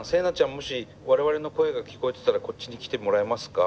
もし我々の声が聴こえてたらこっちに来てもらえますか？